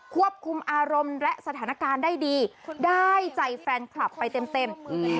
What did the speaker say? ควบคุมอารมณ์และสถานการณ์ได้ดีได้ใจแฟนคลับไปเต็ม